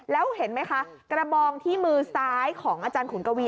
แล้วเห็นไหมคะกระบองที่มือซ้ายของอาจารย์ขุนกวี